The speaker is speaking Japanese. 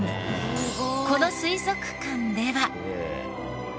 この水族館では。